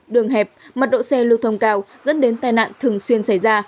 đường hẹp mật độ xe lưu thông cao dẫn đến tai nạn thường xuyên xảy ra